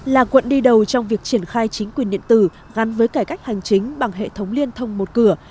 là quận đi đầu trong việc triển khai chính quyền điện tử gắn với cải cách hành chính bằng hệ thống liên thông một cửa